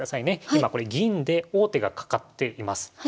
今これ銀で王手がかかっています。